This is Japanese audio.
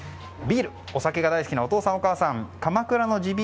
お酒が大好きなお父さん、お母さん鎌倉の地